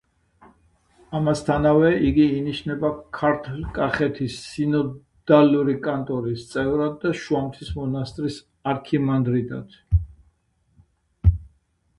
ამასთანავე იგი ინიშნება ქართლ-კახეთის სინოდალური კანტორის წევრად და შუამთის მონასტრის არქიმანდრიტად.